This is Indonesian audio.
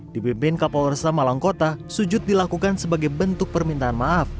dipimpin kapolresta malangkota sujud dilakukan sebagai bentuk permintaan maaf